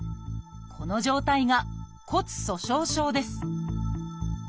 この状態が骨粗しょう症です